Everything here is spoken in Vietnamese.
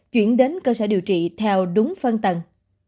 chuyển đến cơ sở điều trị theo đúng phân tầng